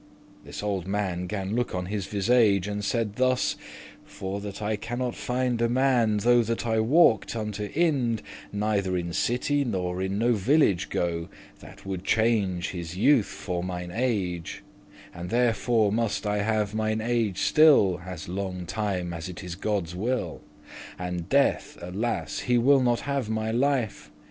This olde man gan look on his visage, And saide thus; "For that I cannot find A man, though that I walked unto Ind, Neither in city, nor in no village go, That woulde change his youthe for mine age; And therefore must I have mine age still As longe time as it is Godde's will. And Death, alas! he will not have my life.